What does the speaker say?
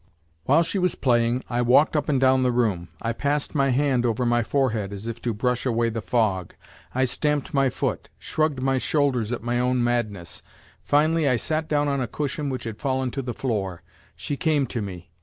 While she was playing, I walked up and down the room; I passed my hand over my forehead as though to brush away the fog, I stamped my foot, shrugged my shoulders at my own madness; finally, I sat down on a cushion which had fallen to the floor; she came to me.